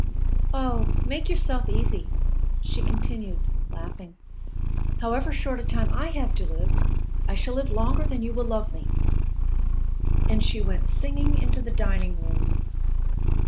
"Oh, make yourself easy," she continued, laughing; "however short a time I have to live, I shall live longer than you will love me!" And she went singing into the dining room.